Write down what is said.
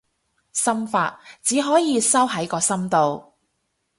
心法，只可以收喺個心度